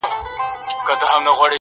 په خبرو کي خبري پيدا کيږي~